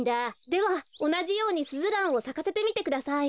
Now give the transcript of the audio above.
ではおなじようにスズランをさかせてみてください。